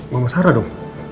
mama sarah dong